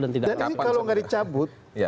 dan ini kalau tidak dicabut